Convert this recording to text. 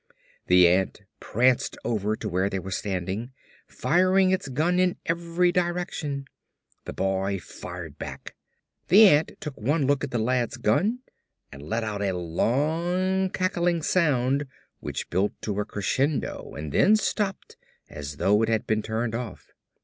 The ant pranced over to where they were standing, firing its gun in every direction. The boy fired back. The ant took one look at the lad's gun and let out a long cackling sound which built to a crescendo and then stopped as though it had been turned off.